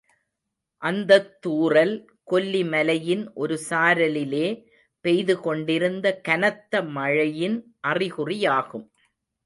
அந்தத் தூறல் கொல்லிமலையின் ஒரு சாரலிலே பெய்துகொண்டிருந்த கனத்த மழையின் அறிகுறியாகும்.